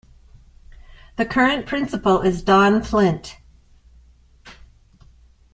The current principal is Don Flynt.